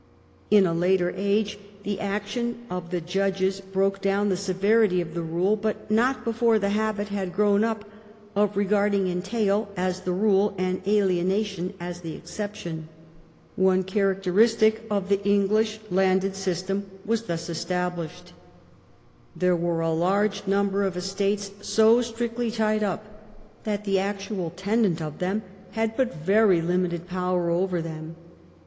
In a later age the action of the judges broke down the severity of the rule, but not before the habit had grown up of regarding entail as the rule and alienation as the exception. One characteristic feature of the English landed system was viT EDWARD'S LEGISLATION 129 thus established. There were a large number of estates so strictly tied up that the actual tenant of them had but very limited power over them.